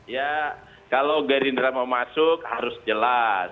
ya kalau gerindra mau masuk harus jelas